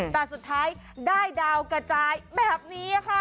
แต่สุดท้ายได้ดาวกระจายแบบนี้ค่ะ